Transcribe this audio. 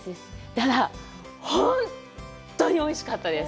ただ、本当においしかったです！